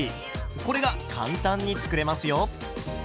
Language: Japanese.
これが簡単に作れますよ。